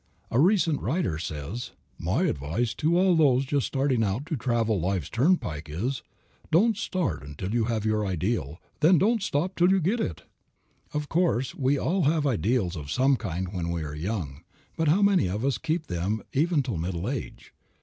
A recent writer says: "My advice to all those just starting to travel life's turnpike is: "'Don't start until you have your ideal. Then don't stop until you get it.'" Of course we all have ideals of some kind when we are young; but how many of us keep them even till middle age?